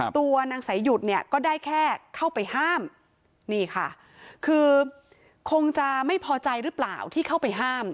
ตัวนางสายหยุดเนี่ยก็ได้แค่เข้าไปห้ามนี่ค่ะคือคงจะไม่พอใจหรือเปล่าที่เข้าไปห้าม